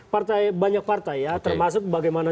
partai banyak partai ya termasuk bagaimana